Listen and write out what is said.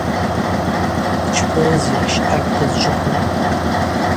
Йчпарызйа – щъагӏвта дджвыквылтӏ.